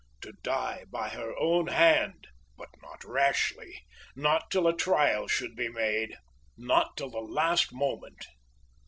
To die by her own hand! but not rashly not till a trial should be made not till the last moment.